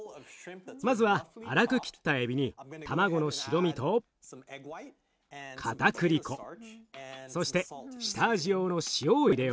まずは粗く切ったエビに卵の白身とかたくり粉そして下味用の塩を入れよう。